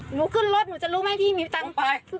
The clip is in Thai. ขึ้นรถหนูจะรู้ไหมพี่มีตังค์ไป